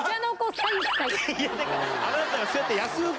あなたがそうやって。